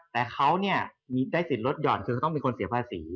แต่เขาเนี่ยมีได้สิทธิ์ลดหย่อนคือเขาต้องมีคนเสียภาษี